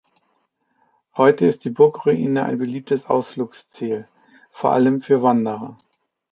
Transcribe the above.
Heute ist die Burgruine ein beliebtes Ausflugsziel, vor allem für Wanderer.